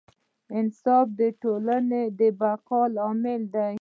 انصاف د ټولنې د بقا لامل دی.